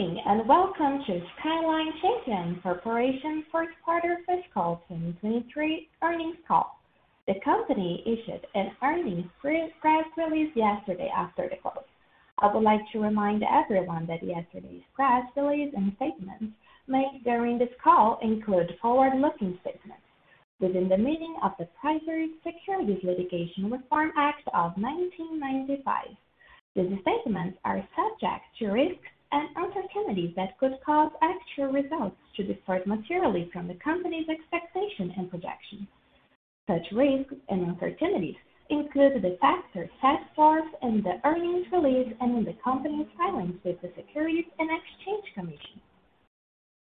Good morning, and welcome to Skyline Champion Corporation first quarter fiscal 2023 earnings call. The company issued an earnings press release yesterday after the close. I would like to remind everyone that yesterday's press release and statements made during this call include forward-looking statements within the meaning of the Private Securities Litigation Reform Act of 1995. These statements are subject to risks and uncertainties that could cause actual results to differ materially from the company's expectations and projections. Such risks and uncertainties include the factors set forth in the earnings release and in the company's filings with the Securities and Exchange Commission.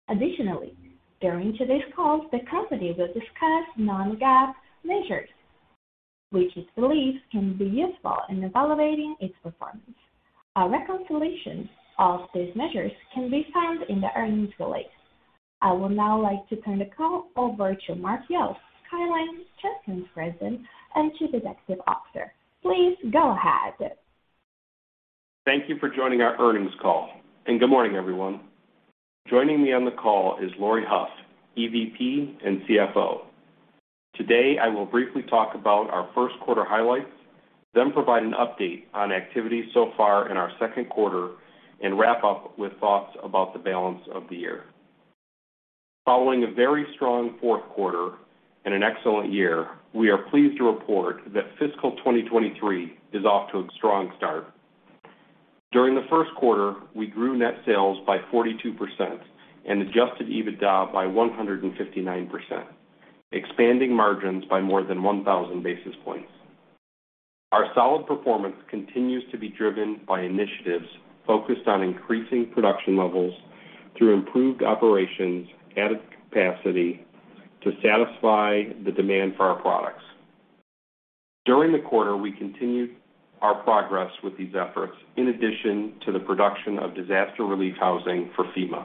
Additionally, during today's call, the company will discuss non-GAAP measures which it believes can be useful in evaluating its performance. Our reconciliation of these measures can be found in the earnings release. I would now like to turn the call over to Mark Yost, Skyline Champion President, and Chief Executive Officer. Please go ahead. Thank you for joining our earnings call, and good morning, everyone. Joining me on the call is Laurie Hough, EVP, and CFO. Today, I will briefly talk about our first quarter highlights, then provide an update on activities so far in our second quarter, and wrap up with thoughts about the balance of the year. Following a very strong fourth quarter and an excellent year, we are pleased to report that fiscal 2023 is off to a strong start. During the first quarter, we grew net sales by 42% and adjusted EBITDA by 159%, expanding margins by more than 1,000 basis points. Our solid performance continues to be driven by initiatives focused on increasing production levels through improved operations at a capacity to satisfy the demand for our products. During the quarter, we continued our progress with these efforts in addition to the production of disaster relief housing for FEMA,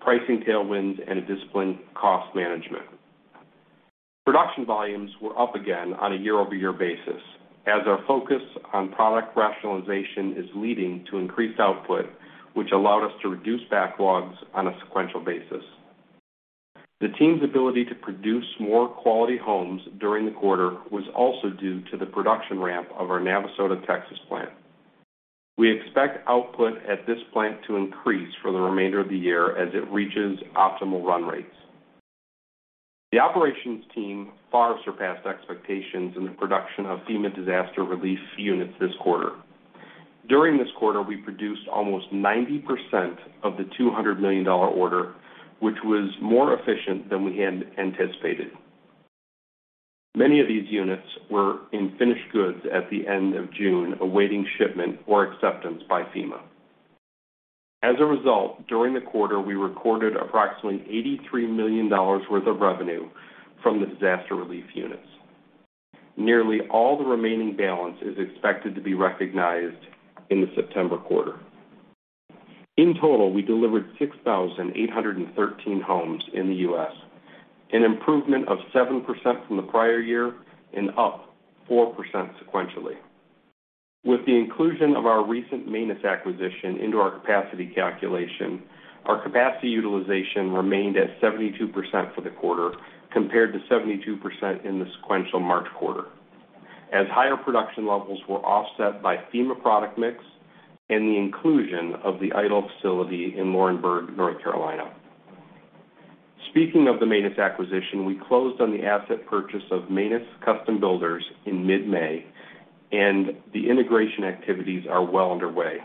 pricing tailwinds, and a disciplined cost management. Production volumes were up again on a year-over-year basis as our focus on product rationalization is leading to increased output, which allowed us to reduce backlogs on a sequential basis. The team's ability to produce more quality homes during the quarter was also due to the production ramp of our Navasota, Texas plant. We expect output at this plant to increase for the remainder of the year as it reaches optimal run rates. The operations team far surpassed expectations in the production of FEMA disaster relief units this quarter. During this quarter, we produced almost 90% of the $200 million order, which was more efficient than we had anticipated. Many of these units were in finished goods at the end of June, awaiting shipment or acceptance by FEMA. As a result, during the quarter, we recorded approximately $83 million worth of revenue from the disaster relief units. Nearly all the remaining balance is expected to be recognized in the September quarter. In total, we delivered 6,813 homes in the U.S., an improvement of 7% from the prior year and up 4% sequentially. With the inclusion of our recent Maines acquisition into our capacity calculation, our capacity utilization remained at 72% for the quarter, compared to 72% in the sequential March quarter, as higher production levels were offset by FEMA product mix and the inclusion of the idle facility in Laurinburg, North Carolina. Speaking of the Maines acquisition, we closed on the asset purchase of Maine Custom Builders in mid-May, and the integration activities are well underway.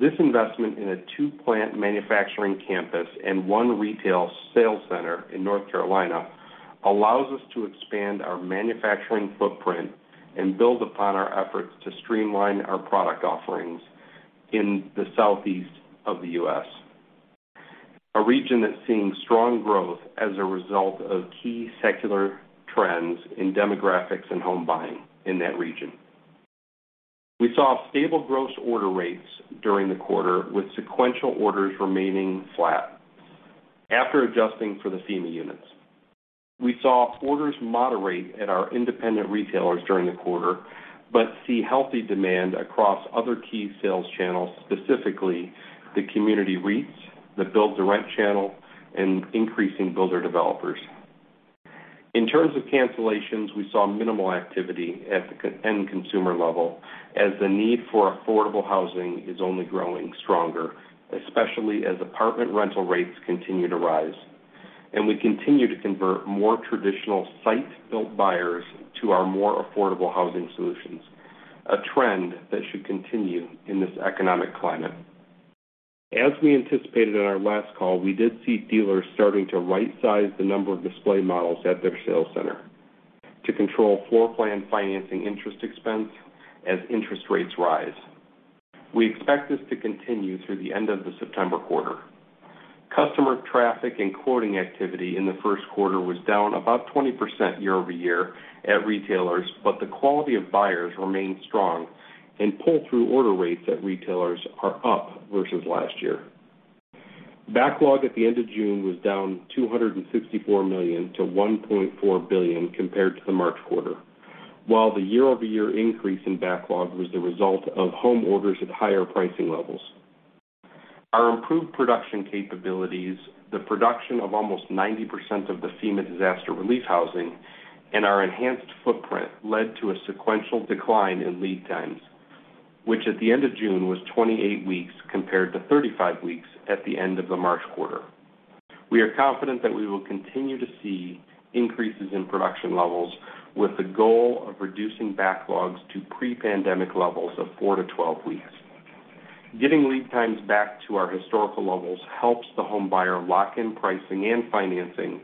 This investment in a two-plant manufacturing campus and one retail sales center in North Carolina allows us to expand our manufacturing footprint and build upon our efforts to streamline our product offerings in the Southeast of the U.S., a region that's seeing strong growth as a result of key secular trends in demographics and home buying in that region. We saw stable gross order rates during the quarter, with sequential orders remaining flat. After adjusting for the FEMA units, we saw orders moderate at our independent retailers during the quarter, but see healthy demand across other key sales channels, specifically the community REITs, the build-to-rent channel, and increasing builder-developers. In terms of cancellations, we saw minimal activity at the end consumer level as the need for affordable housing is only growing stronger, especially as apartment rental rates continue to rise, and we continue to convert more traditional site-built buyers to our more affordable housing solutions, a trend that should continue in this economic climate. As we anticipated on our last call, we did see dealers starting to right-size the number of display models at their sales center to control floorplan financing interest expense as interest rates rise. We expect this to continue through the end of the September quarter. Customer traffic and quoting activity in the first quarter was down about 20% year-over-year at retailers, but the quality of buyers remains strong, and pull-through order rates at retailers are up versus last year. Backlog at the end of June was down $264 million-$1.4 billion compared to the March quarter, while the year-over-year increase in backlog was the result of home orders at higher pricing levels. Our improved production capabilities, the production of almost 90% of the FEMA disaster relief housing, and our enhanced footprint led to a sequential decline in lead times, which at the end of June was 28 weeks compared to 35 weeks at the end of the March quarter. We are confident that we will continue to see increases in production levels with the goal of reducing backlogs to pre-pandemic levels of four-12 weeks. Getting lead times back to our historical levels helps the homebuyer lock in pricing and financing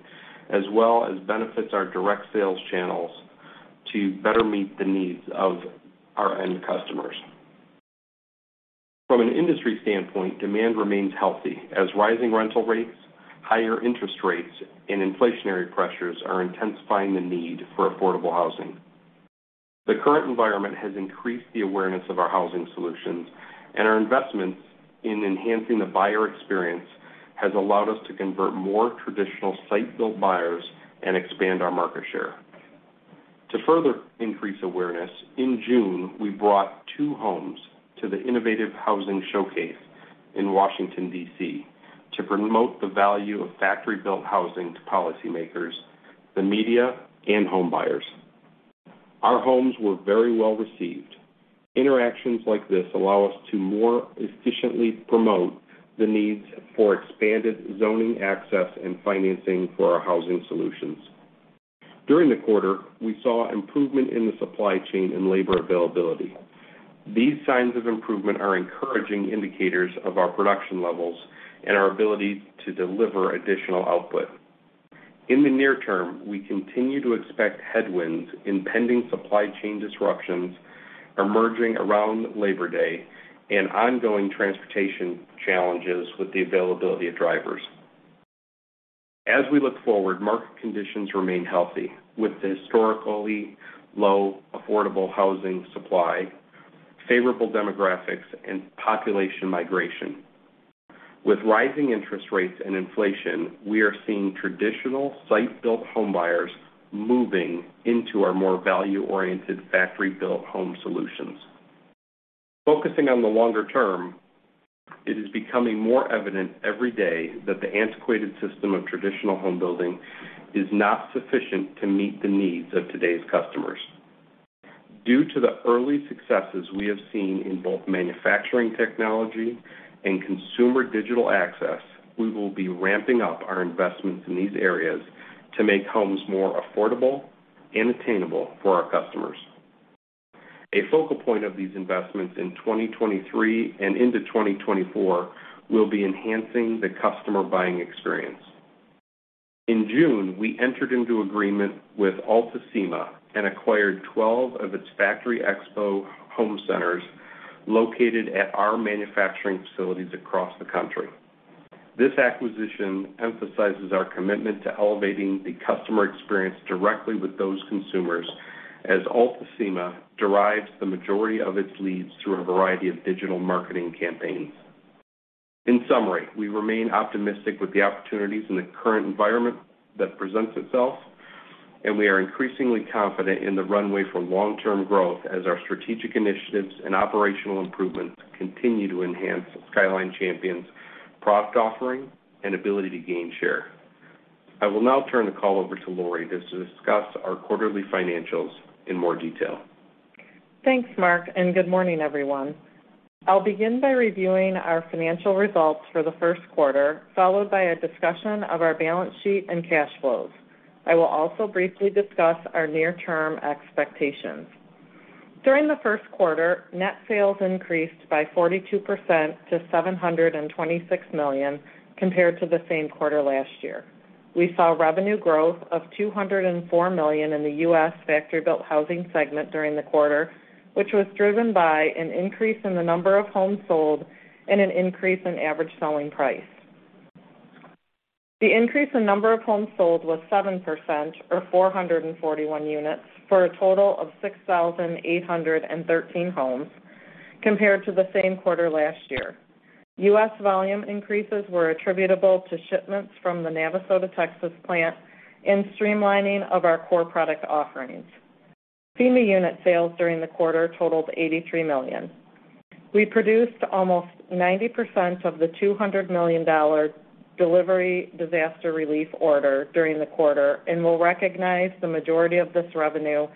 as well as benefits our direct sales channels to better meet the needs of our end customers. From an industry standpoint, demand remains healthy as rising rental rates, higher interest rates, and inflationary pressures are intensifying the need for affordable housing. The current environment has increased the awareness of our housing solutions, and our investments in enhancing the buyer experience has allowed us to convert more traditional site-built buyers and expand our market share. To further increase awareness, in June, we brought two homes to the Innovative Housing Showcase in Washington, D.C. to promote the value of factory-built housing to policymakers, the media, and homebuyers. Our homes were very well-received. Interactions like this allow us to more efficiently promote the needs for expanded zoning access and financing for our housing solutions. During the quarter, we saw improvement in the supply chain and labor availability. These signs of improvement are encouraging indicators of our production levels and our ability to deliver additional output. In the near term, we continue to expect headwinds in pending supply chain disruptions emerging around Labor Day and ongoing transportation challenges with the availability of drivers. As we look forward, market conditions remain healthy with the historically low affordable housing supply, favorable demographics, and population migration. With rising interest rates and inflation, we are seeing traditional site-built homebuyers moving into our more value-oriented factory-built home solutions. Focusing on the longer term, it is becoming more evident every day that the antiquated system of traditional home building is not sufficient to meet the needs of today's customers. Due to the early successes we have seen in both manufacturing technology and consumer digital access, we will be ramping up our investments in these areas to make homes more affordable and attainable for our customers. A focal point of these investments in 2023 and into 2024 will be enhancing the customer buying experience. In June, we entered into agreement with Alta Cima and acquired 12 of its Factory Expo Home Centers located at our manufacturing facilities across the country. This acquisition emphasizes our commitment to elevating the customer experience directly with those consumers as Alta Cima derives the majority of its leads through a variety of digital marketing campaigns. In summary, we remain optimistic with the opportunities in the current environment that presents itself, and we are increasingly confident in the runway for long-term growth as our strategic initiatives and operational improvements continue to enhance Skyline Champion's product offering and ability to gain share. I will now turn the call over to Laurie to discuss our quarterly financials in more detail. Thanks, Mark, and good morning, everyone. I'll begin by reviewing our financial results for the first quarter, followed by a discussion of our balance sheet and cash flows. I will also briefly discuss our near-term expectations. During the first quarter, net sales increased by 42% to $726 million compared to the same quarter last year. We saw revenue growth of $204 million in the U.S. factory-built housing segment during the quarter, which was driven by an increase in the number of homes sold and an increase in average selling price. The increase in number of homes sold was 7% or 441 units for a total of 6,813 homes compared to the same quarter last year. U.S. volume increases were attributable to shipments from the Navasota, Texas plant and streamlining of our core product offerings. FEMA unit sales during the quarter totaled 83 million. We produced almost 90% of the $200 million delivery disaster relief order during the quarter and will recognize the majority of this revenue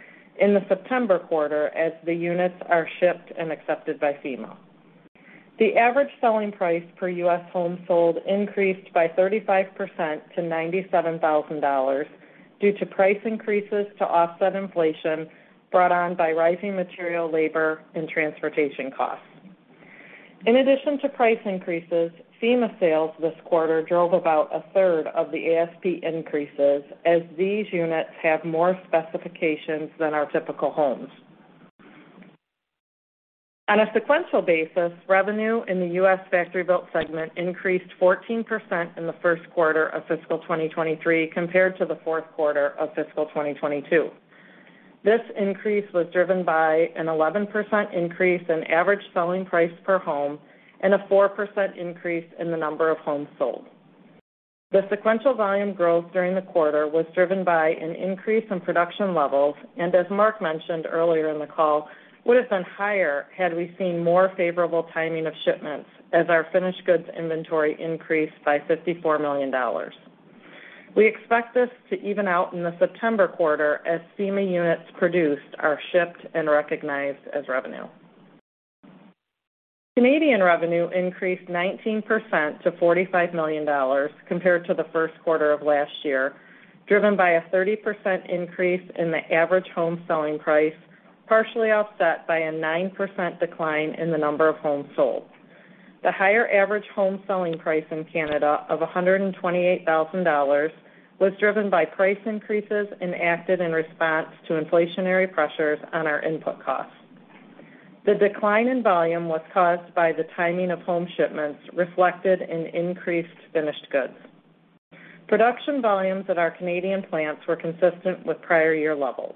in the September quarter as the units are shipped and accepted by FEMA. The average selling price per U.S. home sold increased by 35% to $97,000 due to price increases to offset inflation brought on by rising material, labor, and transportation costs. In addition to price increases, FEMA sales this quarter drove about 1/3 of the ASP increases as these units have more specifications than our typical homes. On a sequential basis, revenue in the U.S. factory-built segment increased 14% in the first quarter of fiscal 2023 compared to the fourth quarter of fiscal 2022. This increase was driven by an 11% increase in average selling price per home and a 4% increase in the number of homes sold. The sequential volume growth during the quarter was driven by an increase in production levels, and as Mark mentioned earlier in the call, would have been higher had we seen more favorable timing of shipments as our finished goods inventory increased by $54 million. We expect this to even out in the September quarter as FEMA units produced are shipped and recognized as revenue. Canadian revenue increased 19% to $45 million compared to the first quarter of last year, driven by a 30% increase in the average home selling price, partially offset by a 9% decline in the number of homes sold. The higher average home selling price in Canada of $128 thousand was driven by price increases enacted in response to inflationary pressures on our input costs. The decline in volume was caused by the timing of home shipments reflected in increased finished goods. Production volumes at our Canadian plants were consistent with prior year levels.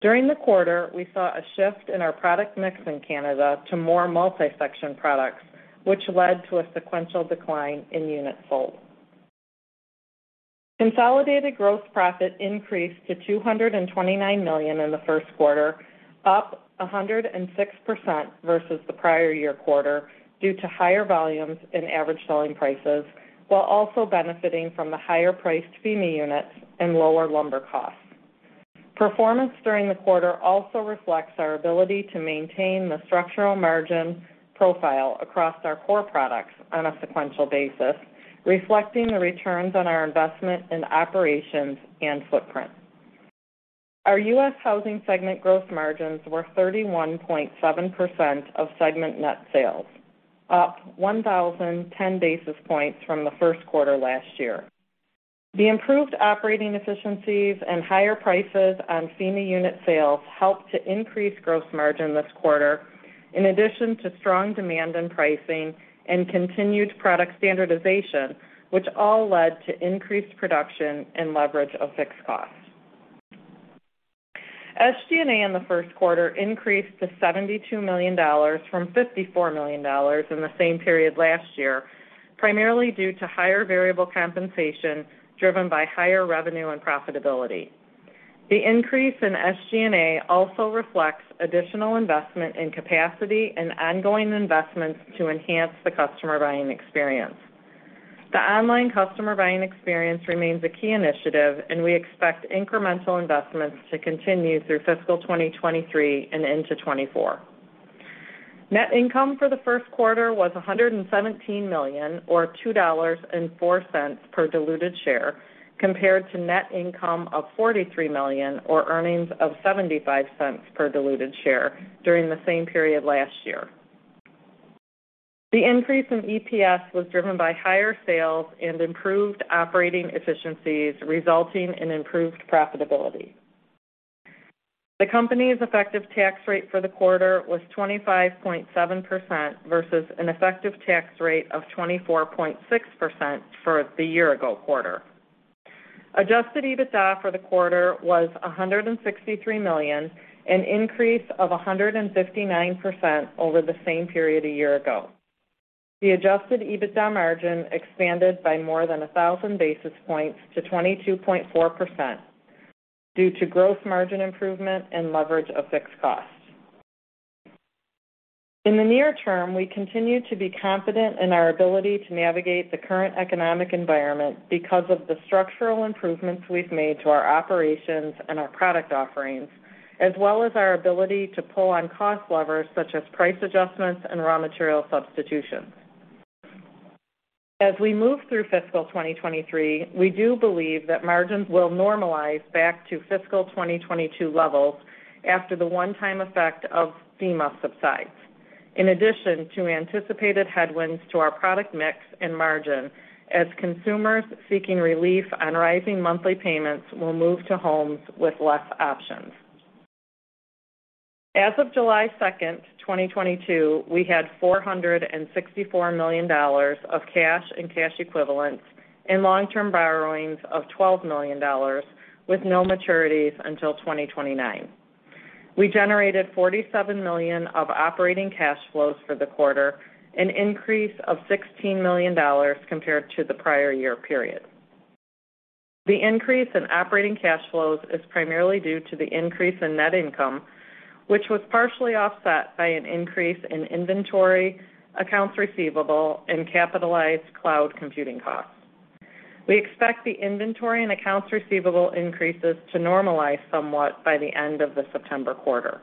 During the quarter, we saw a shift in our product mix in Canada to more multi-section products, which led to a sequential decline in units sold. Consolidated gross profit increased to $229 million in the first quarter, up 106% versus the prior year quarter due to higher volumes in average selling prices while also benefiting from the higher-priced FEMA units and lower lumber costs. Performance during the quarter also reflects our ability to maintain the structural margin profile across our core products on a sequential basis, reflecting the returns on our investment in operations and footprint. Our U.S. housing segment gross margins were 31.7% of segment net sales, up 1,010 basis points from the first quarter last year. The improved operating efficiencies and higher prices on FEMA unit sales helped to increase gross margin this quarter, in addition to strong demand in pricing and continued product standardization, which all led to increased production and leverage of fixed costs. SG&A in the first quarter increased to $72 million from $54 million in the same period last year, primarily due to higher variable compensation driven by higher revenue and profitability. The increase in SG&A also reflects additional investment in capacity and ongoing investments to enhance the customer buying experience. The online customer buying experience remains a key initiative, and we expect incremental investments to continue through fiscal 2023 and into 2024. Net income for the first quarter was $117 million or $2.04 per diluted share compared to net income of $43 million or earnings of $0.75 per diluted share during the same period last year. The increase in EPS was driven by higher sales and improved operating efficiencies, resulting in improved profitability. The company's effective tax rate for the quarter was 25.7% versus an effective tax rate of 24.6% for the year ago quarter. Adjusted EBITDA for the quarter was $163 million, an increase of 159% over the same period a year ago. The adjusted EBITDA margin expanded by more than 1,000 basis points to 22.4% due to gross margin improvement and leverage of fixed costs. In the near term, we continue to be confident in our ability to navigate the current economic environment because of the structural improvements we've made to our operations and our product offerings, as well as our ability to pull on cost levers such as price adjustments and raw material substitutions. As we move through fiscal 2023, we do believe that margins will normalize back to fiscal 2022 levels after the one-time effect of FEMA subsidies. In addition to anticipated headwinds to our product mix and margin as consumers seeking relief on rising monthly payments will move to homes with less options. As of July 2, 2022, we had $464 million of cash and cash equivalents and long-term borrowings of $12 million with no maturities until 2029. We generated $47 million of operating cash flows for the quarter, an increase of $16 million compared to the prior year period. The increase in operating cash flows is primarily due to the increase in net income, which was partially offset by an increase in inventory, accounts receivable, and capitalized cloud computing costs. We expect the inventory and accounts receivable increases to normalize somewhat by the end of the September quarter.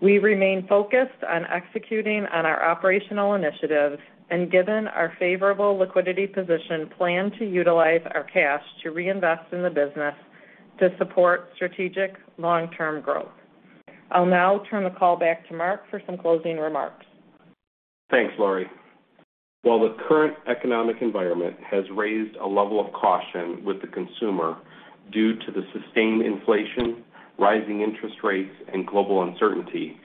We remain focused on executing on our operational initiatives, and given our favorable liquidity position, plan to utilize our cash to reinvest in the business to support strategic long-term growth. I'll now turn the call back to Mark for some closing remarks. Thanks, Laurie. While the current economic environment has raised a level of caution with the consumer due to the sustained inflation, rising interest rates, and global uncertainty.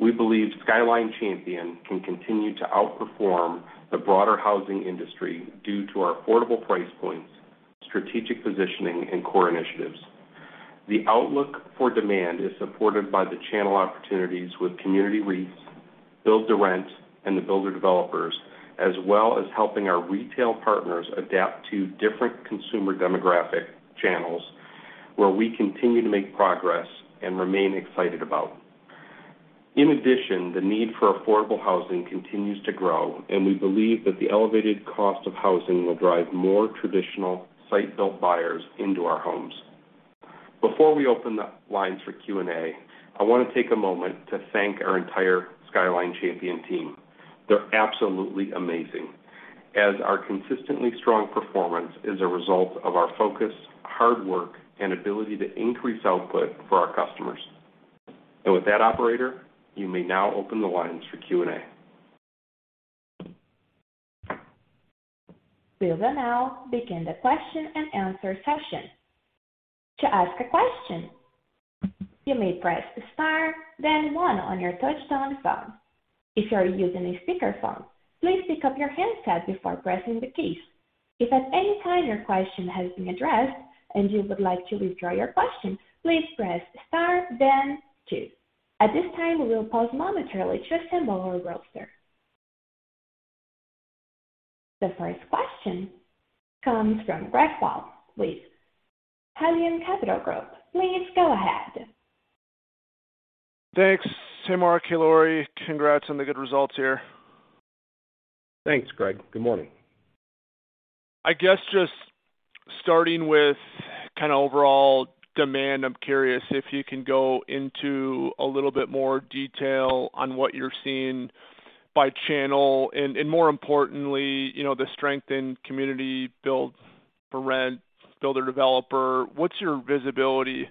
We believe Skyline Champion can continue to outperform the broader housing industry due to our affordable price points, strategic positioning and core initiatives. The outlook for demand is supported by the channel opportunities with community REITs, build-to-rent, and the builder-developers, as well as helping our retail partners adapt to different consumer demographic channels where we continue to make progress and remain excited about. In addition, the need for affordable housing continues to grow, and we believe that the elevated cost of housing will drive more traditional site-built buyers into our homes. Before we open the lines for Q&A, I want to take a moment to thank our entire Skyline Champion team. They're absolutely amazing, as our consistently strong performance is a result of our focus, hard work, and ability to increase output for our customers. With that, operator, you may now open the lines for Q&A. We will now begin the question-and-answer session. To ask a question, you may press star then one on your touch-tone phone. If you are using a speakerphone, please pick up your handset before pressing the keys. If at any time your question has been addressed and you would like to withdraw your question, please press star then two. At this time, we will pause momentarily to assemble our roster. The first question comes from Greg Palm with Craig-Hallum Capital Group. Please go ahead. Thanks, Mark, and Laurie. Congrats on the good results here. Thanks, Greg. Good morning. I guess just starting with kind of overall demand, I'm curious if you can go into a little bit more detail on what you're seeing by channel and more importantly, you know, the strength in community build for rent, builder-developer. What's your visibility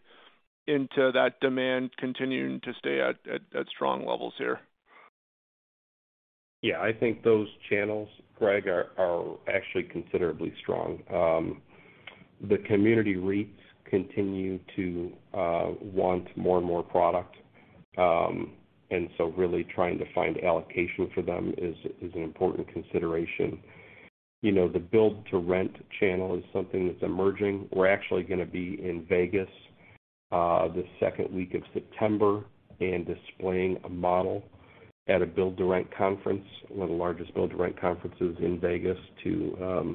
into that demand continuing to stay at strong levels here? Yeah. I think those channels, Greg, are actually considerably strong. The community REITs continue to want more and more product, and so really trying to find allocation for them is an important consideration. You know, the build-to-rent channel is something that's emerging. We're actually gonna be in Vegas the second week of September and displaying a model at a build-to-rent conference, one of the largest build-to-rent conferences in Vegas to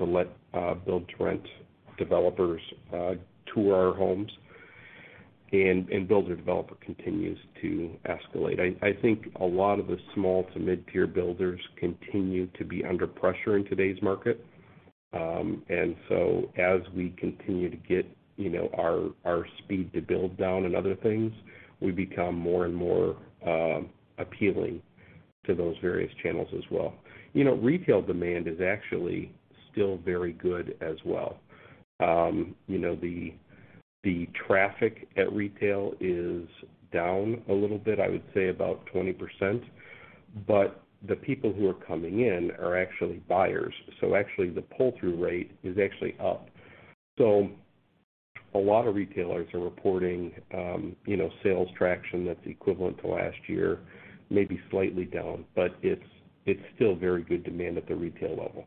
let build-to-rent developers tour our homes. Builder-developer continues to escalate. I think a lot of the small-to-mid-tier builders continue to be under pressure in today's market. As we continue to get our speed to build down and other things, we become more and more appealing to those various channels as well. You know, retail demand is actually still very good as well. You know, the traffic at retail is down a little bit, I would say about 20%, but the people who are coming in are actually buyers. Actually the pull-through rate is actually up. A lot of retailers are reporting, you know, sales traction that's equivalent to last year, maybe slightly down, but it's still very good demand at the retail level.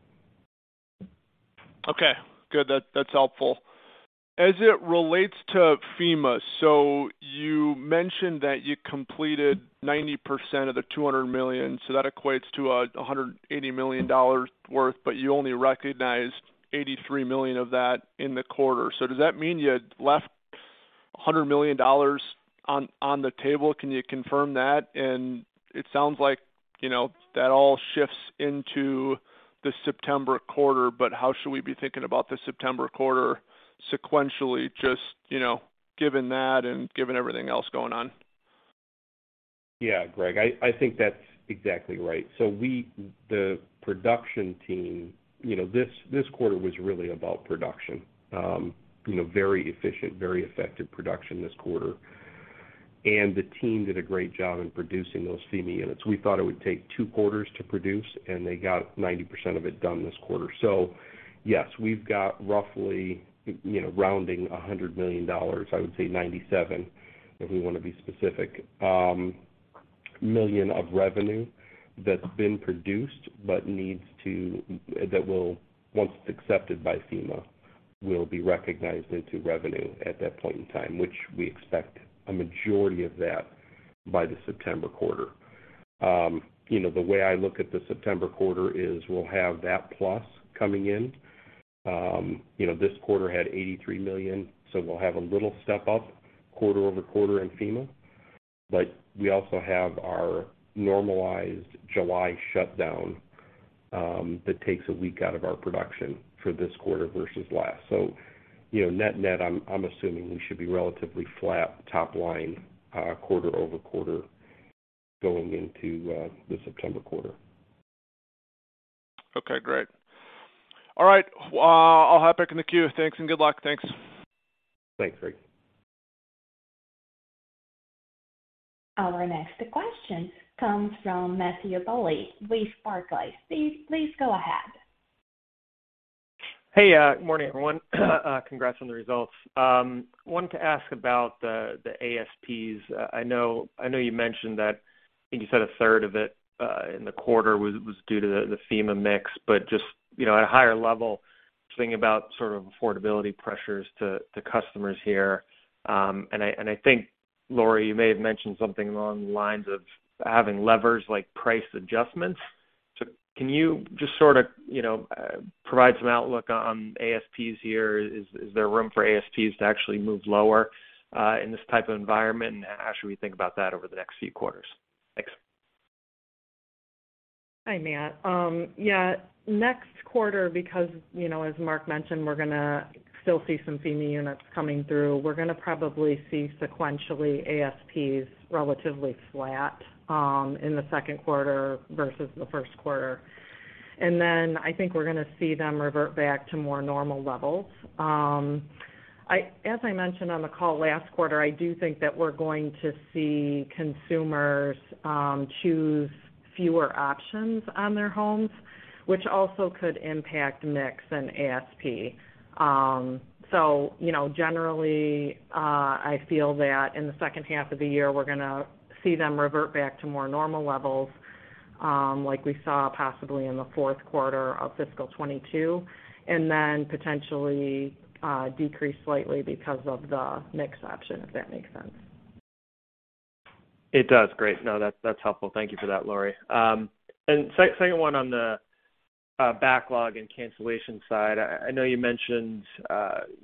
Okay, good. That's helpful. As it relates to FEMA, so you mentioned that you completed 90% of the $200 million, so that equates to $180 million dollars worth, but you only recognized $83 million of that in the quarter. Does that mean you had left $100 million dollars on the table? Can you confirm that? It sounds like, you know, that all shifts into the September quarter, but how should we be thinking about the September quarter sequentially, just, you know, given that and given everything else going on? Yeah, Greg, I think that's exactly right. We, the production team, you know, this quarter was really about production. You know, very efficient, very effective production this quarter. The team did a great job in producing those FEMA units. We thought it would take two quarters to produce, and they got 90% of it done this quarter. Yes, we've got roughly, you know, rounding $100 million, I would say 97, if we wanna be specific, million of revenue that's been produced but that will, once accepted by FEMA, will be recognized into revenue at that point in time, which we expect a majority of that by the September quarter. You know, the way I look at the September quarter is we'll have that plus coming in. You know, this quarter had $83 million, so we'll have a little step up quarter-over-quarter in FEMA. But we also have our normalized July shutdown that takes a week out of our production for this quarter versus last. You know, net-net, I'm assuming we should be relatively flat top line quarter-over-quarter going into the September quarter. Okay, great. All right. I'll hop back in the queue. Thanks and good luck. Thanks. Thanks, Greg. Our next question comes from Matthew Bouley with Barclays. Please go ahead. Hey, good morning, everyone. Congrats on the results. Wanted to ask about the ASPs. I know you mentioned that, I think you said 1/3 of it in the quarter was due to the FEMA mix, but just, you know, at a higher level, thinking about sort of affordability pressures to customers here. I think, Laurie, you may have mentioned something along the lines of having levers like price adjustments. Can you just sort of, you know, provide some outlook on ASPs here? Is there room for ASPs to actually move lower in this type of environment? And how should we think about that over the next few quarters? Thanks. Hi, Matt. Next quarter, because, you know, as Mark mentioned, we're gonna still see some FEMA units coming through, we're gonna probably see sequentially ASPs relatively flat in the second quarter versus the first quarter. Then I think we're gonna see them revert back to more normal levels. As I mentioned on the call last quarter, I do think that we're going to see consumers choose fewer options on their homes, which also could impact mix and ASP. You know, generally, I feel that in the second half of the year, we're gonna see them revert back to more normal levels, like we saw possibly in the fourth quarter of fiscal 2022, and then potentially decrease slightly because of the mix option, if that makes sense. It does. Great. No, that's helpful. Thank you for that, Laurie. And second one on the backlog and cancellation side. I know you mentioned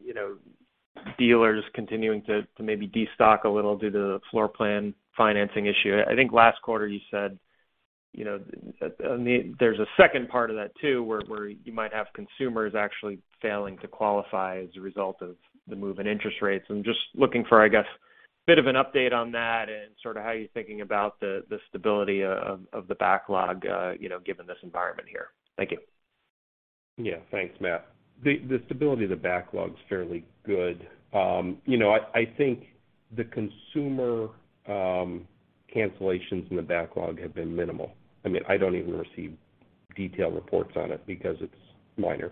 you know, dealers continuing to maybe destock a little due to the floor plan financing issue. I think last quarter you said, you know, that, I mean, there's a second part of that too, where you might have consumers actually failing to qualify as a result of the move in interest rates. I'm just looking for, I guess, a bit of an update on that and sort of how you're thinking about the stability of the backlog, you know, given this environment here. Thank you. Yeah. Thanks, Matt. The stability of the backlog's fairly good. You know, I think the consumer cancellations in the backlog have been minimal. I mean, I don't even receive detailed reports on it because it's minor.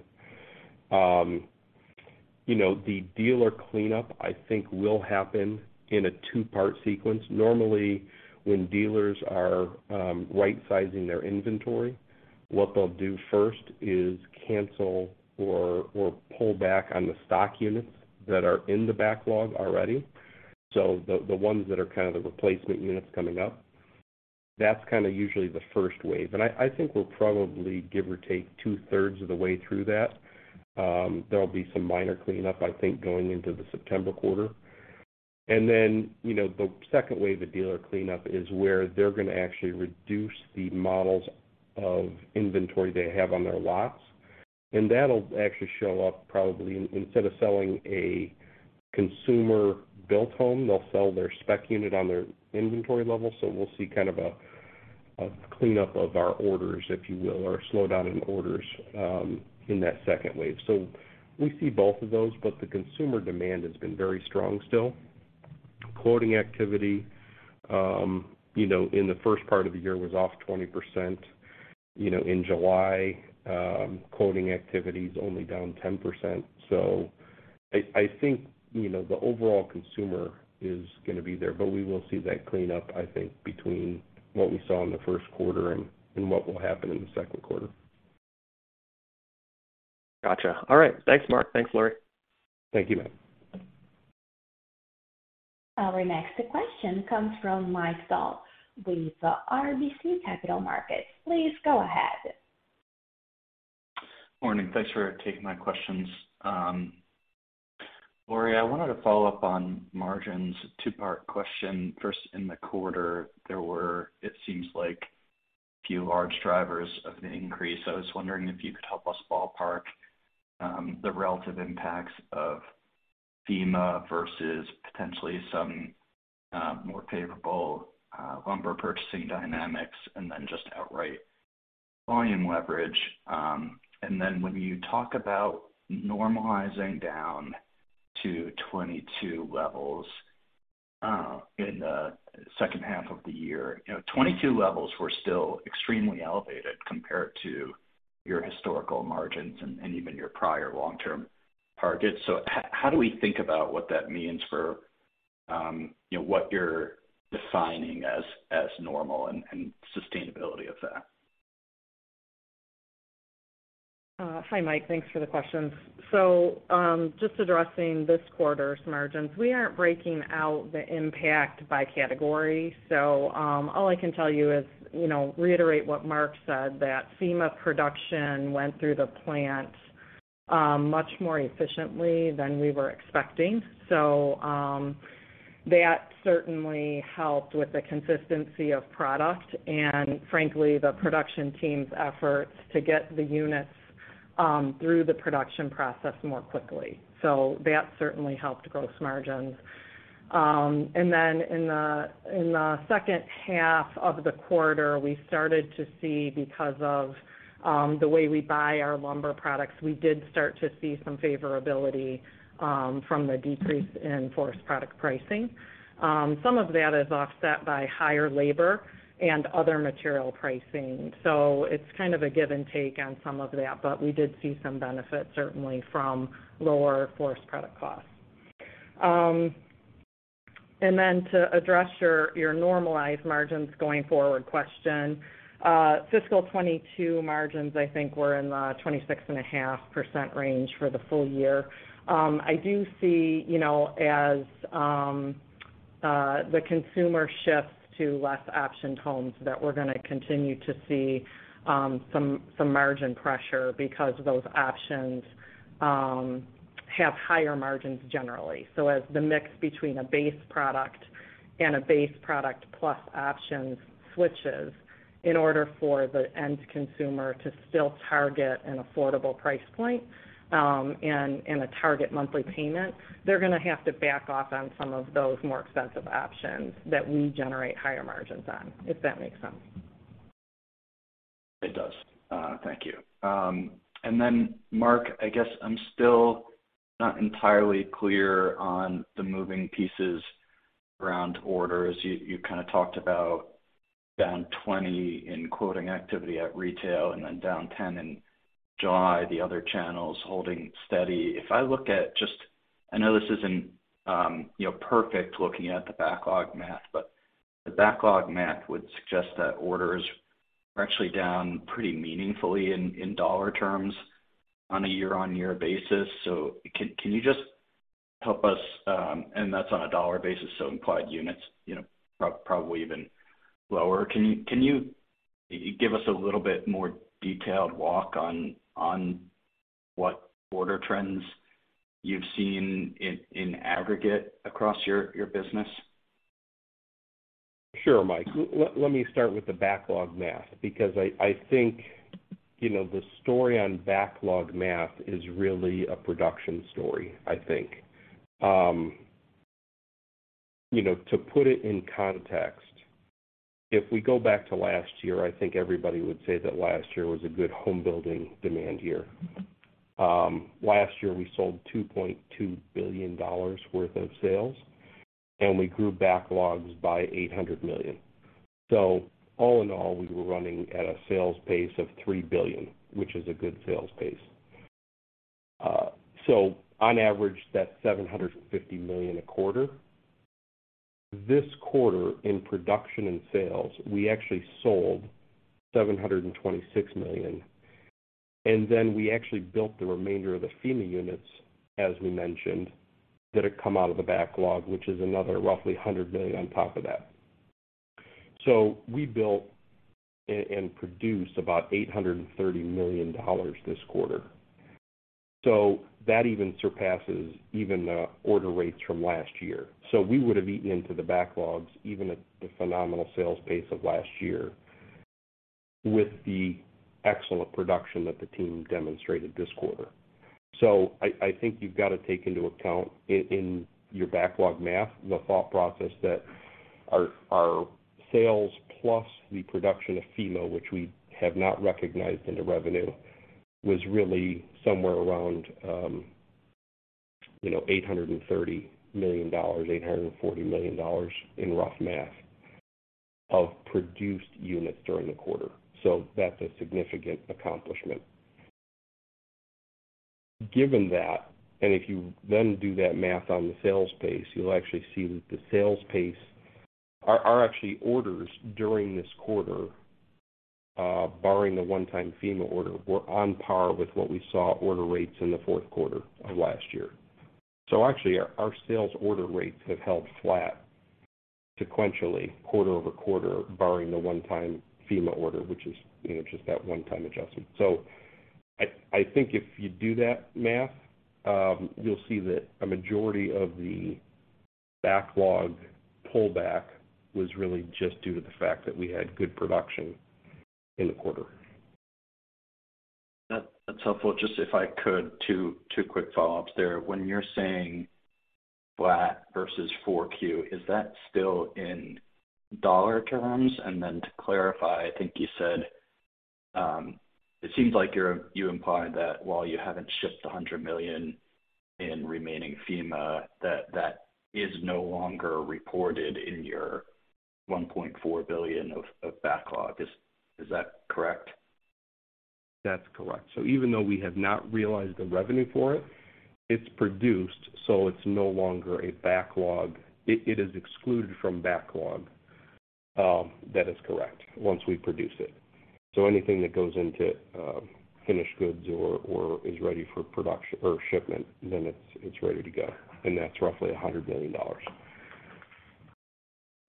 You know, the dealer cleanup, I think will happen in a two-part sequence. Normally, when dealers are rightsizing their inventory, what they'll do first is cancel or pull back on the stock units that are in the backlog already. So the ones that are kind of the replacement units coming up. That's kind of usually the first wave. I think we're probably give or take two-thirds of the way through that. There'll be some minor cleanup, I think, going into the September quarter. You know, the second wave of dealer cleanup is where they're gonna actually reduce the models of inventory they have on their lots. That'll actually show up probably in instead of selling a consumer-built home, they'll sell their spec unit on their inventory level. We'll see kind of a cleanup of our orders, if you will, or a slowdown in orders in that second wave. We see both of those, but the consumer demand has been very strong still. Quoting activity, you know, in the first part of the year was off 20%. You know, in July, quoting activity is only down 10%. I think, you know, the overall consumer is gonna be there, but we will see that clean up, I think, between what we saw in the first quarter and what will happen in the second quarter. Gotcha. All right. Thanks, Mark. Thanks, Laurie. Thank you, Matt. Our next question comes from Mike Dahl with RBC Capital Markets. Please go ahead. Morning. Thanks for taking my questions. Laurie, I wanted to follow up on margins. Two-part question. First, in the quarter, there were few large drivers of the increase. I was wondering if you could help us ballpark the relative impacts of FEMA versus potentially some more favorable lumber purchasing dynamics, and then just outright volume leverage. When you talk about normalizing down to 2022 levels in the second half of the year, you know, 2022 levels were still extremely elevated compared to your historical margins and even your prior long-term targets. How do we think about what that means for you know, what you're defining as normal and sustainability of that? Hi, Mike. Thanks for the questions. Just addressing this quarter's margins. We aren't breaking out the impact by category. All I can tell you is, you know, reiterate what Mark said, that FEMA production went through the plant much more efficiently than we were expecting. That certainly helped with the consistency of product and frankly, the production team's efforts to get the units through the production process more quickly. That certainly helped gross margins. And then in the second half of the quarter, we started to see because of the way we buy our lumber products, we did start to see some favorability from the decrease in forest product pricing. Some of that is offset by higher labor and other material pricing. It's kind of a give and take on some of that, but we did see some benefit certainly from lower forest product costs. Then to address your normalized margins going forward question, fiscal 2022 margins, I think we're in the 26.5% range for the full year. I do see, you know, as the consumer shifts to less optioned homes that we're gonna continue to see, some margin pressure because those options have higher margins generally. As the mix between a base product and a base product plus options switches in order for the end consumer to still target an affordable price point, and a target monthly payment, they're gonna have to back off on some of those more expensive options that we generate higher margins on, if that makes sense. It does. Thank you. Mark, I guess I'm still not entirely clear on the moving pieces around orders. You kinda talked about down 20% in quoting activity at retail and then down 10% in July, the other channels holding steady. If I look at just, I know this isn't, you know, perfect looking at the backlog math, but the backlog math would suggest that orders are actually down pretty meaningfully in dollar terms on a year-on-year basis. Can you just help us, and that's on a dollar basis, so implied units, you know, probably even lower. Can you give us a little bit more detailed walk on what order trends you've seen in aggregate across your business? Sure, Mike. Let me start with the backlog math, because I think, you know, the story on backlog math is really a production story, I think. You know, to put it in context, if we go back to last year, I think everybody would say that last year was a good home building demand year. Last year, we sold $2.2 billion worth of sales, and we grew backlogs by $800 million. All in all, we were running at a sales pace of $3 billion, which is a good sales pace. On average that's $750 million 1/4. This quarter in production and sales, we actually sold $726 million, and then we actually built the remainder of the FEMA units, as we mentioned, that had come out of the backlog, which is another roughly $100 million on top of that. We built and produced about $830 million this quarter. That even surpasses even the order rates from last year. We would have eaten into the backlogs even at the phenomenal sales pace of last year with the excellent production that the team demonstrated this quarter. I think you've got to take into account in your backlog math, the thought process that our sales plus the production of FEMA, which we have not recognized in the revenue, was really somewhere around, you know, $830 million-$840 million in rough math of produced units during the quarter. That's a significant accomplishment. Given that, and if you then do that math on the sales pace, you'll actually see that the sales pace are actually orders during this quarter, barring the one-time FEMA order, were on par with what we saw order rates in the fourth quarter of last year. Actually our sales order rates have held flat sequentially quarter-over-quarter, barring the one-time FEMA order, which is, you know, just that one-time adjustment. I think if you do that math, you'll see that a majority of the backlog pullback was really just due to the fact that we had good production in the quarter. That's helpful. Just if I could, two quick follow-ups there. When you're saying flat versus Q4, is that still in dollar terms? Then to clarify, I think you said it seems like you're, you implied that while you haven't shipped $100 million in remaining FEMA, that is no longer reported in your $1.4 billion of backlog. Is that correct? That's correct. Even though we have not realized the revenue for it's produced, so it's no longer a backlog. It is excluded from backlog, that is correct, once we produce it. Anything that goes into finished goods or is ready for production or shipment, then it's ready to go. That's roughly $100 million.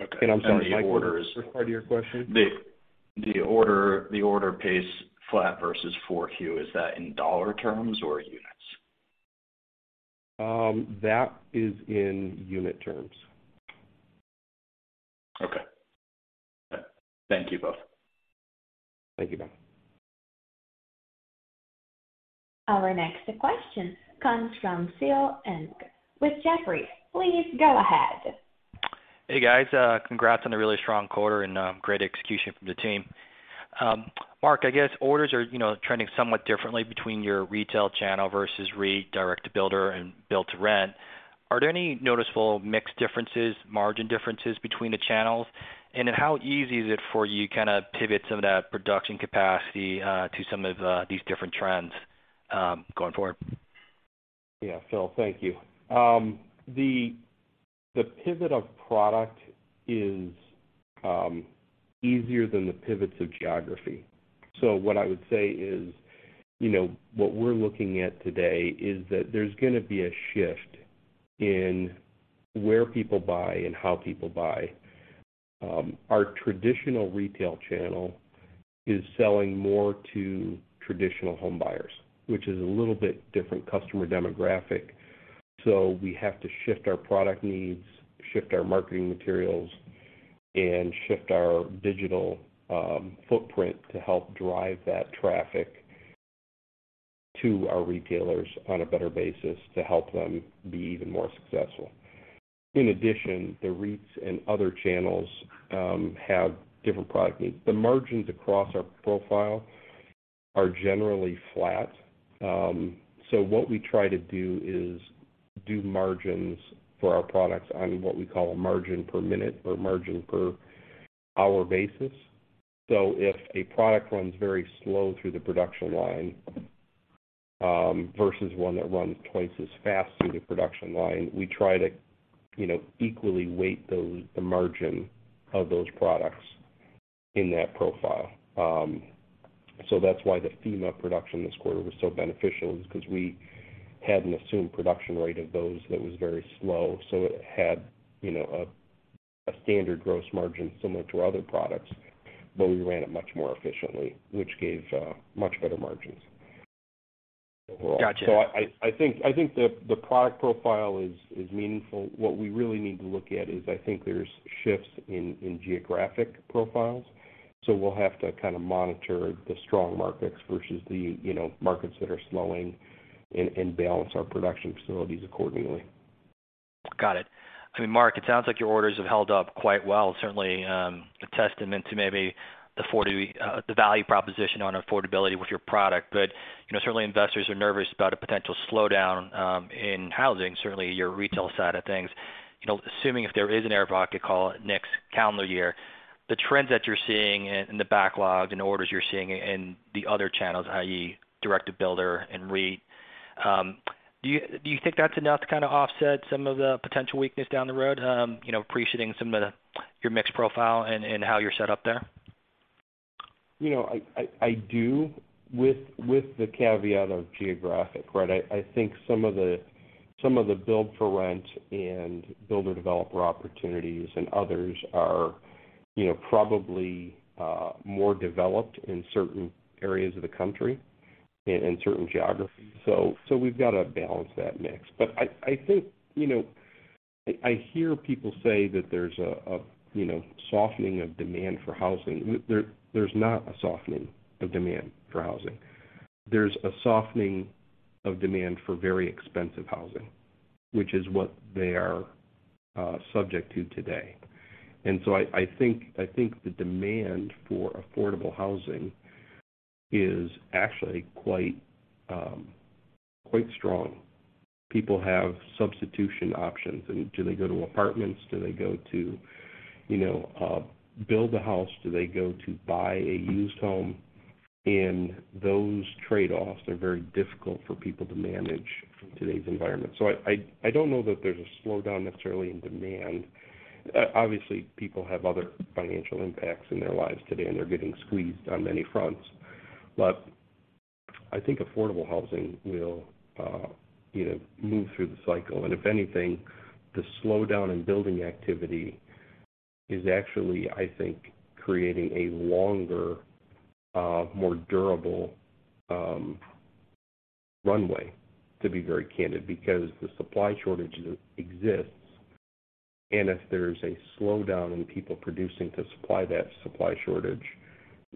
Okay. I'm sorry, Mike, what was the second part of your question? The order pace flat versus 4Q, is that in dollar terms or units? That is in unit terms. Okay. Thank you both. Thank you, Mike. Our next question comes from. with Jefferies. Please go ahead. Hey, guys, congrats on a really strong quarter and great execution from the team. Mark, I guess orders are, you know, trending somewhat differently between your retail channel versus direct to builder and build-to-rent. Are there any noticeable mix differences, margin differences between the channels? Then how easy is it for you to kind of pivot some of that production capacity to some of these different trends going forward? Yeah, Phil, thank you. The pivot of product is easier than the pivots of geography. What I would say is, you know, what we're looking at today is that there's gonna be a shift in where people buy and how people buy. Our traditional retail channel is selling more to traditional home buyers, which is a little bit different customer demographic. We have to shift our product needs, shift our marketing materials, and shift our digital footprint to help drive that traffic to our retailers on a better basis to help them be even more successful. In addition, the REITs and other channels have different product needs. The margins across our profile are generally flat. What we try to do is do margins for our products on what we call a margin per minute or margin per hour basis. If a product runs very slow through the production line, versus one that runs twice as fast through the production line, we try to, you know, equally weight those, the margin of those products in that profile. That's why the FEMA production this quarter was so beneficial is 'cause we had an assumed production rate of those that was very slow. It had, you know, a standard gross margin similar to our other products, but we ran it much more efficiently, which gave much better margins overall. Gotcha. I think the product profile is meaningful. What we really need to look at is I think there's shifts in geographic profiles, so we'll have to kind of monitor the strong markets versus the you know markets that are slowing and balance our production facilities accordingly. Got it. I mean, Mark, it sounds like your orders have held up quite well. Certainly, a testament to maybe the value proposition on affordability with your product. You know, certainly investors are nervous about a potential slowdown in housing, certainly your retail side of things. You know, assuming if there is an air pocket, call it next calendar year, the trends that you're seeing in the backlogs and orders you're seeing in the other channels, i.e. direct to builder and REIT, do you think that's enough to kinda offset some of the potential weakness down the road, you know, appreciating some of the your mix profile and how you're set up there? You know, I do with the caveat of geography, right? I think some of the build-to-rent and builder-developer opportunities and others are, you know, probably more developed in certain areas of the country and in certain geographies. We've gotta balance that mix. I think, you know, I hear people say that there's a you know, softening of demand for housing. There's not a softening of demand for housing. There's a softening of demand for very expensive housing, which is what they are subject to today. I think the demand for affordable housing is actually quite strong. People have substitution options. Do they go to apartments? Do they go to, you know, build a house? Do they go to buy a used home? Those trade-offs are very difficult for people to manage in today's environment. I don't know that there's a slowdown necessarily in demand. Obviously, people have other financial impacts in their lives today, and they're getting squeezed on many fronts. I think affordable housing will, you know, move through the cycle. If anything, the slowdown in building activity is actually, I think, creating a longer, more durable, runway, to be very candid, because the supply shortage exists, and if there's a slowdown in people producing to supply that supply shortage,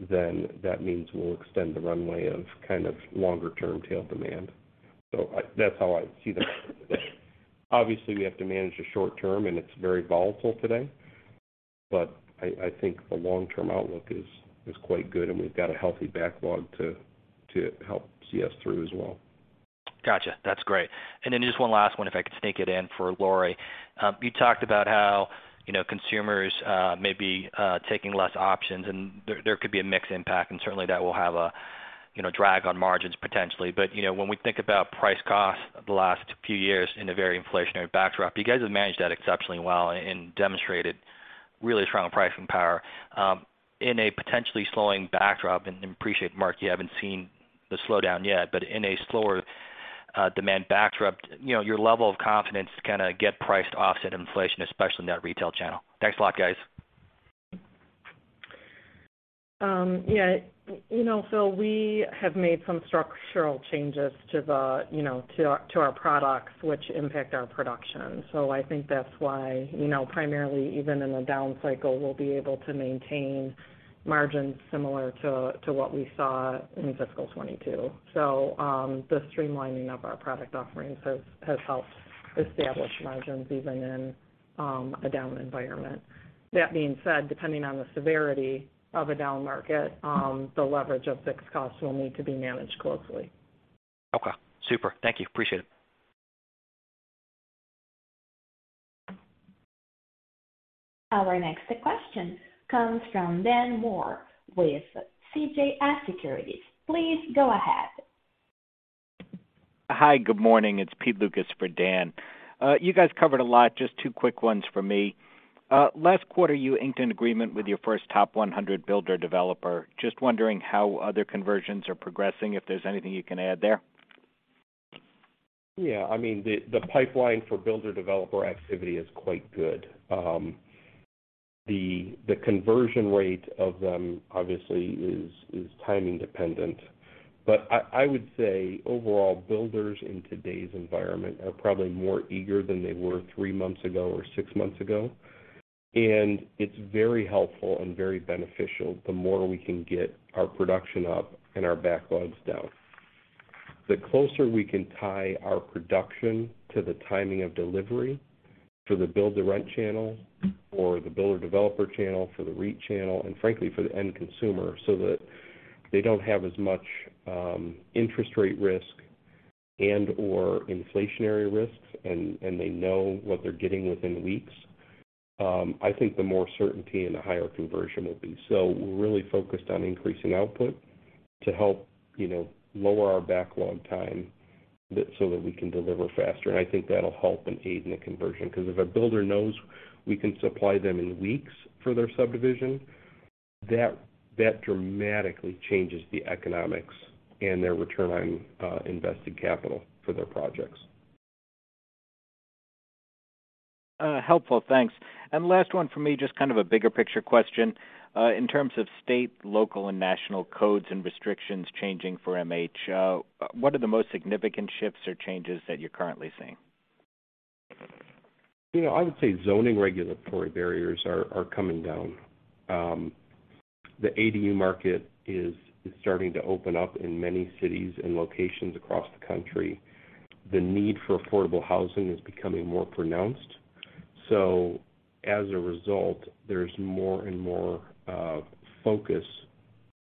then that means we'll extend the runway of kind of longer term tail demand. That's how I see that. Obviously, we have to manage the short term, and it's very volatile today, but I think the long-term outlook is quite good, and we've got a healthy backlog to help see us through as well. Gotcha. That's great. Just one last one if I could sneak it in for Laurie. You talked about how, you know, consumers may be taking less options and there could be a mix impact, and certainly that will have a, you know, drag on margins potentially. You know, when we think about price cost the last few years in a very inflationary backdrop, you guys have managed that exceptionally well and demonstrated really strong pricing power. In a potentially slowing backdrop, and I appreciate, Mark, you haven't seen the slowdown yet, but in a slower demand backdrop, you know, your level of confidence to kinda get priced offset inflation, especially in that retail channel. Thanks a lot, guys. Yeah. You know, Philip, we have made some structural changes to our products which impact our production. I think that's why, you know, primarily even in a down cycle, we'll be able to maintain margins similar to what we saw in fiscal 2022. The streamlining of our product offerings has helped establish margins even in a down environment. That being said, depending on the severity of a down market, the leverage of fixed costs will need to be managed closely. Okay. Super. Thank you. Appreciate it. Our next question comes from Daniel Moore with CJS Securities. Please go ahead. Hi, good morning. It's Pete Lucas for Dan. You guys covered a lot. Just two quick ones for me. Last quarter, you inked an agreement with your first top 100 builder-developer. Just wondering how other conversions are progressing, if there's anything you can add there. Yeah. I mean, the pipeline for builder-developer activity is quite good. The conversion rate of them obviously is timing dependent. I would say overall, builders in today's environment are probably more eager than they were three months ago or six months ago. It's very helpful and very beneficial the more we can get our production up and our backlogs down. The closer we can tie our production to the timing of delivery for the build-to-rent channel or the builder-developer channel for the REIT channel, and frankly for the end consumer, so that they don't have as much interest rate risk and/or inflationary risks, and they know what they're getting within weeks, I think the more certainty and the higher conversion will be. We're really focused on increasing output to help, you know, lower our backlog time so that we can deliver faster. I think that'll help and aid in the conversion, 'cause if a builder knows we can supply them in weeks for their subdivision, that dramatically changes the economics and their return on invested capital for their projects. Helpful. Thanks. Last one for me, just kind of a bigger picture question. In terms of state, local, and national codes and restrictions changing for MH, what are the most significant shifts or changes that you're currently seeing? You know, I would say zoning regulatory barriers are coming down. The ADU market is starting to open up in many cities and locations across the country. The need for affordable housing is becoming more pronounced. As a result, there's more and more focus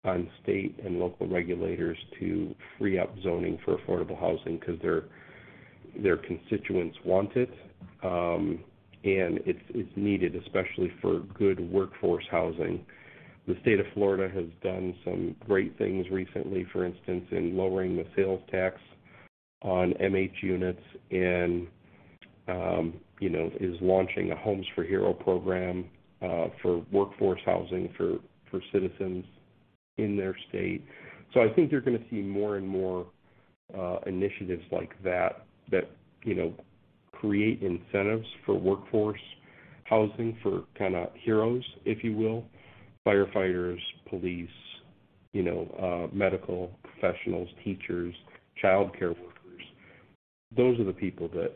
on state and local regulators to free up zoning for affordable housing because their constituents want it, and it's needed especially for good workforce housing. The state of Florida has done some great things recently, for instance, in lowering the sales tax on MH units and is launching a Homes for Heroes program, for workforce housing for citizens in their state. I think you're gonna see more and more initiatives like that that, you know, create incentives for workforce housing for kinda heroes, if you will, firefighters, police, you know, medical professionals, teachers, childcare workers. Those are the people that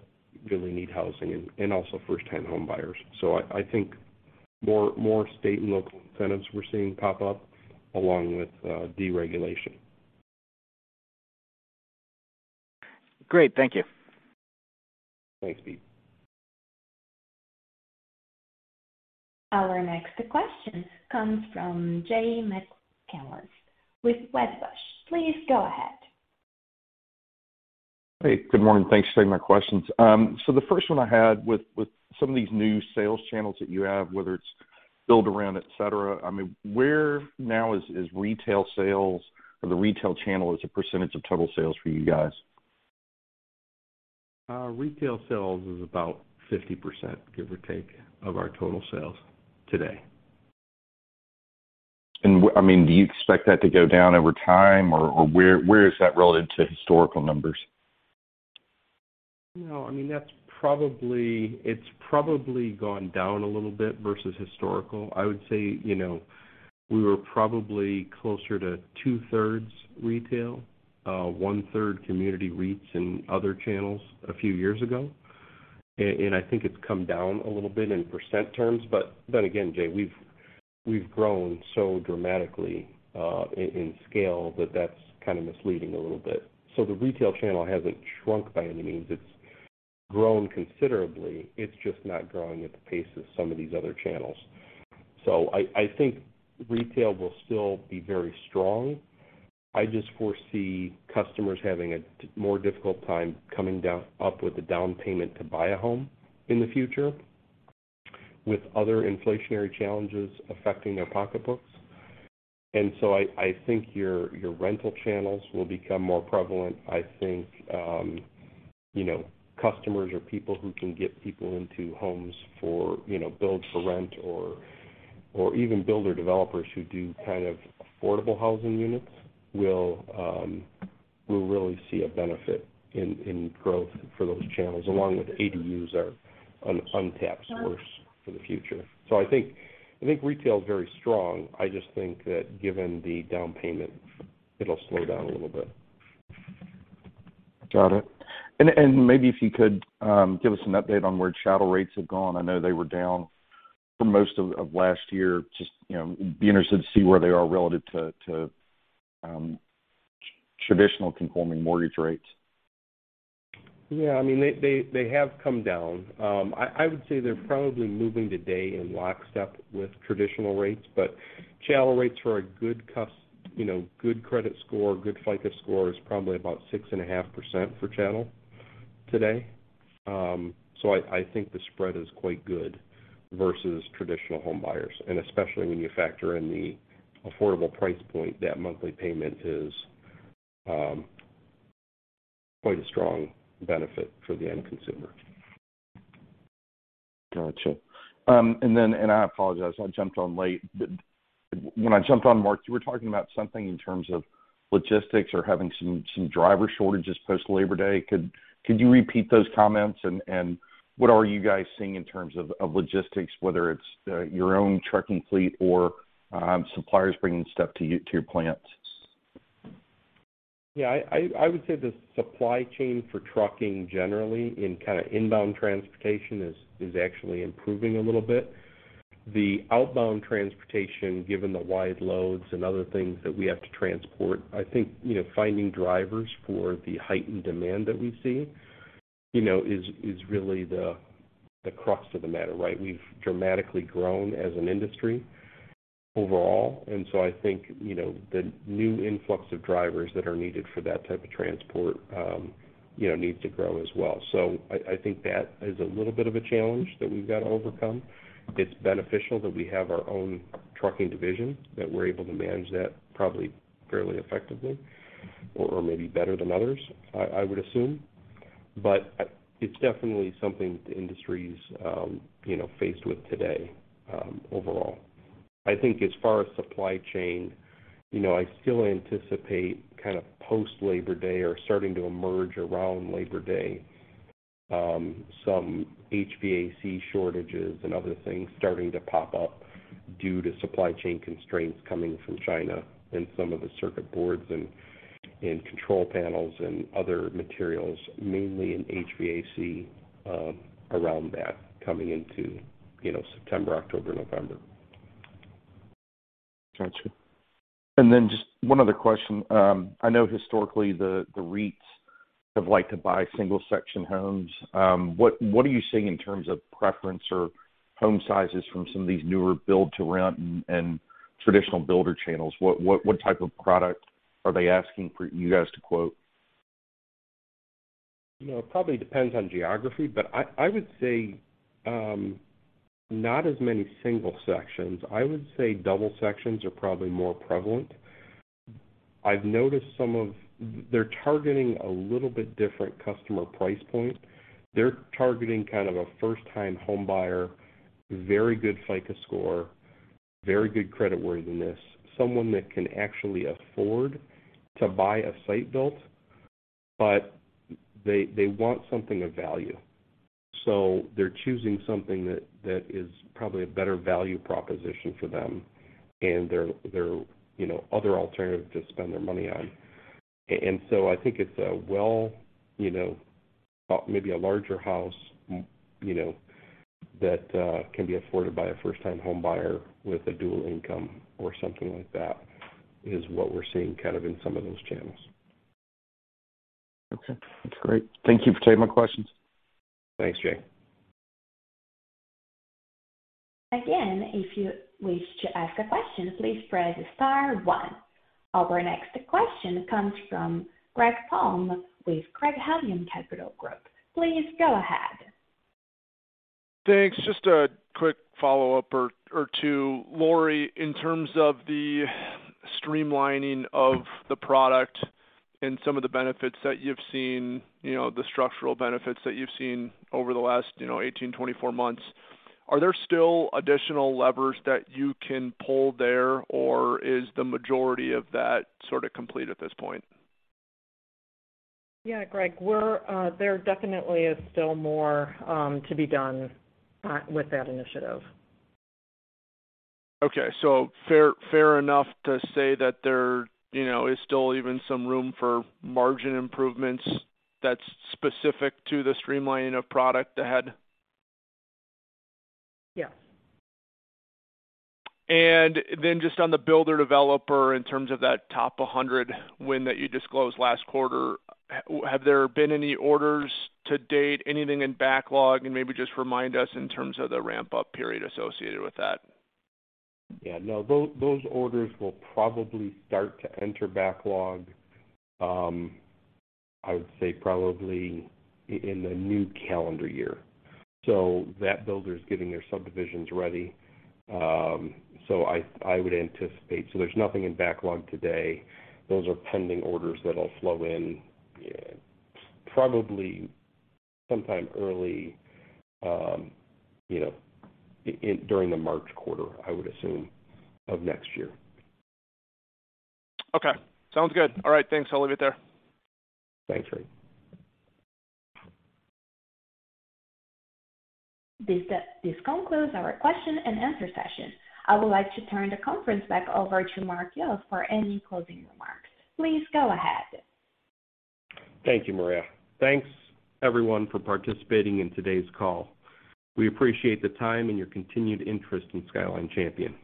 really need housing and also first-time home buyers. I think more state and local incentives we're seeing pop up along with deregulation. Great. Thank you. Thanks, Pete. Our next question comes from Jay McCanless with Wedbush. Please go ahead. Hey. Good morning. Thanks for taking my questions. The first one I had with some of these new sales channels that you have, whether it's build-to-rent, et cetera, I mean, where now is retail sales or the retail channel as a percentage of total sales for you guys? Our retail sales is about 50%, give or take, of our total sales today. I mean, do you expect that to go down over time or where is that relative to historical numbers? No. I mean, that's probably gone down a little bit versus historical. I would say, you know, we were probably closer to two-thirds retail, one-third community REITs and other channels a few years ago. I think it's come down a little bit in percent terms. Then again, Jay, we've grown so dramatically in scale that that's kind of misleading a little bit. The retail channel hasn't shrunk by any means. It's grown considerably. It's just not growing at the pace of some of these other channels. I think retail will still be very strong. I just foresee customers having a more difficult time coming up with a down payment to buy a home in the future with other inflationary challenges affecting their pocketbooks. I think your rental channels will become more prevalent. I think, you know, customers or people who can get people into homes for, you know, build-to-rent or even builder-developers who do kind of affordable housing units will really see a benefit in growth for those channels, along with ADUs, are an untapped source for the future. I think retail is very strong. I just think that given the down payment, it'll slow down a little bit. Got it. Maybe if you could give us an update on where chattel rates have gone. I know they were down for most of last year. Just, you know, be interested to see where they are relative to traditional conforming mortgage rates. Yeah. I mean, they have come down. I would say they're probably moving today in lockstep with traditional rates, but chattel rates for a good customer, you know, good credit score, good FICO score is probably about 6.5% for chattel today. So I think the spread is quite good versus traditional home buyers, and especially when you factor in the affordable price point, that monthly payment is quite a strong benefit for the end consumer. Gotcha. I apologize, I jumped on late. When I jumped on, Mark, you were talking about something in terms of logistics or having some driver shortages post Labor Day. Could you repeat those comments and what are you guys seeing in terms of logistics, whether it's your own trucking fleet or suppliers bringing stuff to your plants? Yeah. I would say the supply chain for trucking generally in kind of inbound transportation is actually improving a little bit. The outbound transportation, given the wide loads and other things that we have to transport, I think, you know, finding drivers for the heightened demand that we see, you know, is really the crux of the matter, right? We've dramatically grown as an industry overall, and so I think, you know, the new influx of drivers that are needed for that type of transport, you know, needs to grow as well. I think that is a little bit of a challenge that we've got to overcome. It's beneficial that we have our own trucking division, that we're able to manage that probably fairly effectively or maybe better than others, I would assume. It's definitely something the industry's, you know, faced with today, overall. I think as far as supply chain, you know, I still anticipate kind of post-Labor Day or starting to emerge around Labor Day, some HVAC shortages and other things starting to pop up due to supply chain constraints coming from China and some of the circuit boards and control panels and other materials, mainly in HVAC, around that coming into, you know, September, October, November. Gotcha. Just one other question. I know historically the REITs have liked to buy single section homes. What are you seeing in terms of preference or home sizes from some of these newer build-to-rent and traditional builder channels? What type of product are they asking for you guys to quote? You know, it probably depends on geography, but I would say not as many single sections. I would say double sections are probably more prevalent. They're targeting a little bit different customer price point. They're targeting kind of a first-time home buyer, very good FICO score, very good creditworthiness, someone that can actually afford to buy a site-built, but they want something of value. They're choosing something that is probably a better value proposition for them and their you know, other alternative to spend their money on. I think it's well, you know, maybe a larger house, you know, that can be afforded by a first-time home buyer with a dual income or something like that is what we're seeing kind of in some of those channels. Okay. That's great. Thank you for taking my questions. Thanks, Jay. Again, if you wish to ask a question, please press star one. Our next question comes from Greg Palm with Craig-Hallum Capital Group. Please go ahead. Thanks. Just a quick follow-up or two. Laurie, in terms of the streamlining of the product and some of the benefits that you've seen, you know, the structural benefits that you've seen over the last, you know, 18, 24 months, are there still additional levers that you can pull there, or is the majority of that sort of complete at this point? Yeah, Greg. There definitely is still more to be done with that initiative. Okay. Fair enough to say that there, you know, is still even some room for margin improvements that's specific to the streamlining of product ahead? Yes. Just on the builder-developer, in terms of that top 100 win that you disclosed last quarter, have there been any orders to date, anything in backlog? Maybe just remind us in terms of the ramp-up period associated with that. Yeah. No, those orders will probably start to enter backlog, I would say probably in the new calendar year. That builder is getting their subdivisions ready. I would anticipate. There's nothing in backlog today. Those are pending orders that'll flow in, probably sometime early, during the March quarter, I would assume, of next year. Okay. Sounds good. All right. Thanks. I'll leave it there. Thanks, Greg. This concludes our question and answer session. I would like to turn the conference back over to Mark Yost for any closing remarks. Please go ahead. Thank you, Maria. Thanks everyone for participating in today's call. We appreciate the time and your continued interest in Skyline Champion.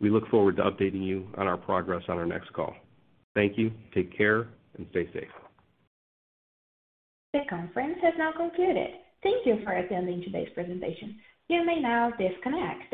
We look forward to updating you on our progress on our next call. Thank you. Take care, and stay safe. The conference has now concluded. Thank you for attending today's presentation. You may now disconnect.